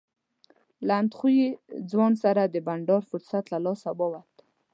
له اندخویي ځوان سره د بنډار فرصت له لاسه ووت.